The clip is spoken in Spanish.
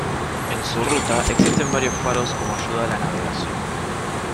En su ruta existen varios faros como ayuda a la navegación.